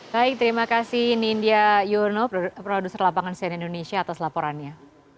baik terima kasih india yurno produser lapangan sien indonesia atas laporannya